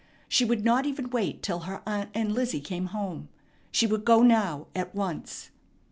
She would not even wait till her aunt and Lizzie came home. She would go now, at once.